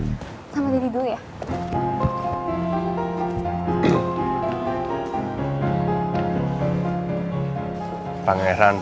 bagaimana rasa sayang saya terhadap mel